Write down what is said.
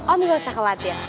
om gak usah khawatir